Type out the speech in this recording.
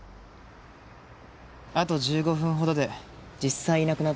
あと１５分ほどで実際いなくなった時間だね。